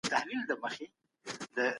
خوشحالي په وجدان کي ده.